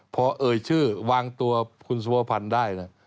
พอเอ่ยชื่อวางตัวคุณสุภวพันธ์ได้นะ